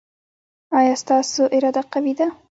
ایا ستاسو اراده قوي ده؟